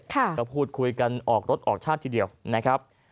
ก็พูดคุยกันออกรถออกชาติทีเดียวนะครับ